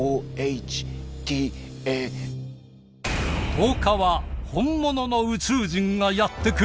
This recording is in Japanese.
１０日は本物の宇宙人がやって来る！